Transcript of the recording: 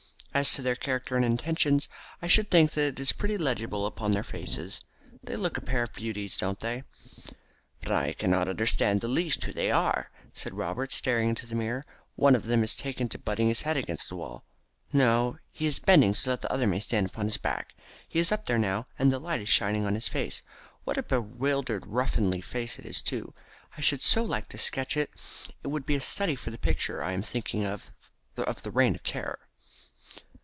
As to their character and intentions, I should think that is pretty legible upon their faces. They look a pair of beauties, don't they?" "But I cannot understand in the least where they are," said Robert, staring into the mirror. "One of them has taken to butting his head against the wall. No, he is bending so that the other may stand upon his back. He is up there now, and the light is shining upon his face. What a bewildered ruffianly face it is too. I should so like to sketch it. It would be a study for the picture I am thinking of of the Reign of Terror."